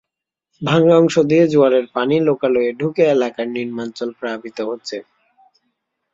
ভাঙা অংশ দিয়ে জোয়ারের পানি লোকালয়ে ঢুকে এলাকার নিম্নাঞ্চল প্লাবিত হচ্ছে।